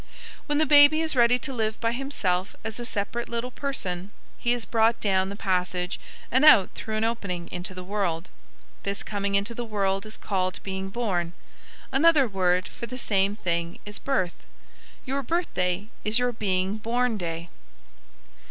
When the baby is ready to live by himself as a separate little person, he is brought down the passage and out through an opening into the world. This coming into the world is called being born. Another word for the same thing is 'birth.' Your birthday is your being born day."